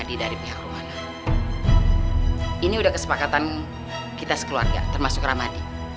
kepala kesepakatan kita sekeluarga termasuk ramadi